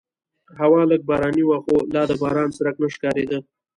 هوا لږه باراني وه خو لا د باران څرک نه ښکارېده.